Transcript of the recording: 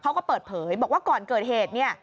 เขาก็เปิดเผยบอกว่าก่อนเกิดเหตุเนี่ย